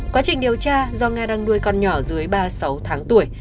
quá trình điều tra do nga đang nuôi con nhỏ dưới ba mươi sáu tháng tuổi